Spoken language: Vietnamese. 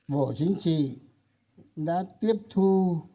bộ chính trị đã tiếp thu